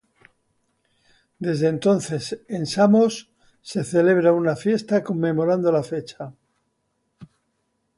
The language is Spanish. Desde entonces en Samos se celebraba una fiesta conmemorando la fecha.